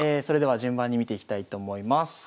それでは順番に見ていきたいと思います。